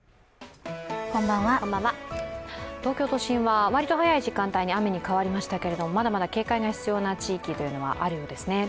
東京都心はわりと早い時間帯に雨に変わりましたけれども、まだまだ警戒が必要な地域はあるようですね。